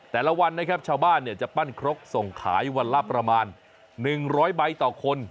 แต่ละวันนะครับชาวบ้านจะปั้นครกส่งขายวันละประมาณ๑๐๐ใบต่อคน